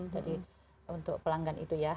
jadi untuk pelanggan itu ya